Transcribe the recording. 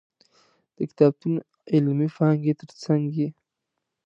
د کتابتون علمي پانګې تر څنګ یې.